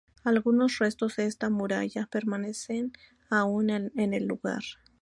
Algunos restos de esta muralla permanecen aún en el lugar.